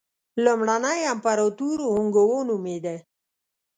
لومړنی امپراتور هونګ وو نومېده.